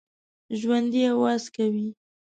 ژوندي آواز کوي